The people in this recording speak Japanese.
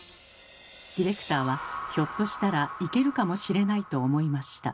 ディレクターはひょっとしたらいけるかもしれないと思いました。